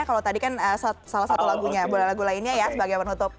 kalau tadi kan salah satu lagunya bola lagu lainnya ya sebagai penutup